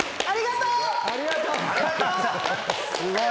ありがとう。